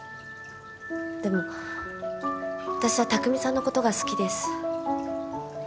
でも私は拓海さんのことが好きです。